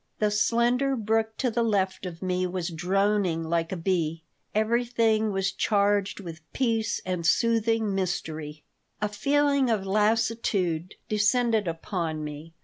The slender brook to the left of me was droning like a bee. Everything was charged with peace and soothing mystery. A feeling of lassitude descended upon me.